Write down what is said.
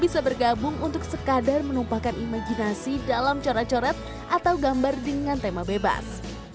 bisa bergabung untuk sekadar menumpahkan imajinasi dalam coret coret atau gambar dengan tema bebas